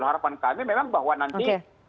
harapan kami memang bahwa nanti